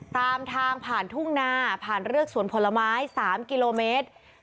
ตามทางผ่านทุ่งนาผ่านเรือกสวนผลไม้๓กิโลเมตร